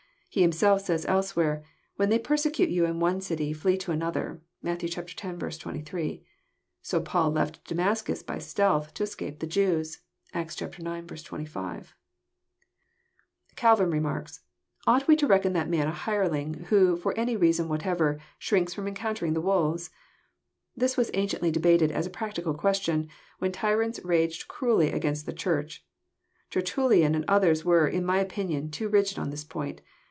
He Himself says else where, When they persecute you in one city, flee ye to an other." (Matt. X. 23.) So Paul left Damascus by stealth to escape the Jews. (Acts ix. 25.) Calvin remarks :*' Ought we to reckon that man an hireling, who, for any reasons whatever, shrinks from encountering the wolves? This was anciently debated as a practical question, when tyrants raged cruelly against the Church. Tertullian and others were, in my opinion, too rigid on this point.